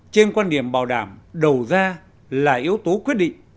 trên quan điểm bảo đảm đầu ra là yếu tố quyết định